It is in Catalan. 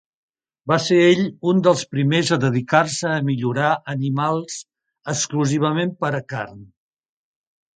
Va ser ell un dels primers a dedicar-se a millorar animals exclusivament per a carn.